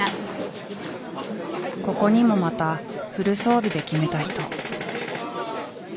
ここにもまたフル装備できめた人。